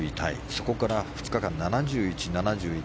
そこから２日間、７１、７１。